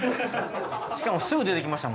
しかもすぐ出てきました。